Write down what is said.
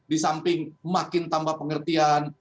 di samping makin tambah pengertian